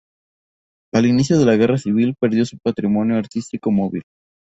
Al inicio de la guerra civil perdió su patrimonio artístico móvil.